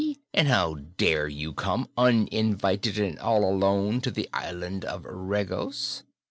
And how dare you come, uninvited and all alone, to the Island of Regos?"